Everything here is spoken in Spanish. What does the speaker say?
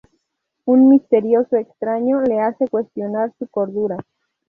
Un "misterioso extraño" le hace cuestionar su cordura.